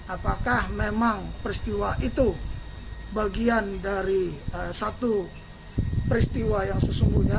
apakah memang peristiwa itu bagian dari satu peristiwa yang sesungguhnya